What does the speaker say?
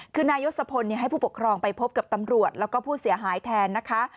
คือนายศพลให้ผู้ปกครองไปพบกับตำรวจแล้วก็ผู้เสียหายแทนนะคะ